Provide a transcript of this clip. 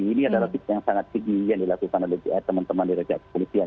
ini adalah yang sangat tinggi yang dilakukan oleh teman teman di rejahat kepolisian